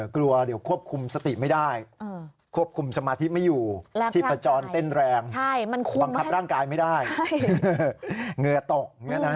กลัวเดี๋ยวควบคุมสติไม่ได้ควบคุมสมาธิไม่อยู่ชีพจรเต้นแรงบังคับร่างกายไม่ได้เหงื่อตก